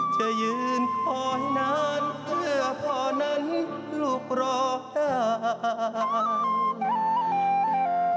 จะยืนคอยนานเมื่อพอนั้นลูกร้องไห้